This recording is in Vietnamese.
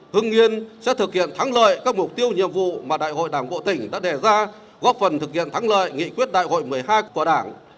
hưng yên sẽ thực hiện thắng lợi các mục tiêu nhiệm vụ mà đại hội đảng bộ tỉnh đã đề ra góp phần thực hiện thắng lợi nghị quyết đại hội một mươi hai của đảng